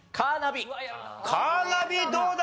カーナビどうだ？